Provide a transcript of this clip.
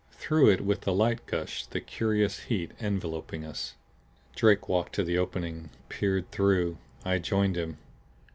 Through it with the light gushed the curious heat enveloping us. Drake walked to the opening, peered through. I joined him.